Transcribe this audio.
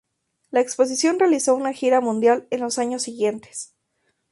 La exposición realizó una gira mundial en los años siguientes.